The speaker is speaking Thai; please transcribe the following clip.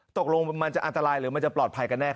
ตกลงมันจะอันตรายหรือมันจะปลอดภัยกันแน่